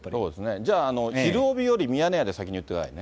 じゃあひるおびよりミヤネ屋で先に言ってくださいね。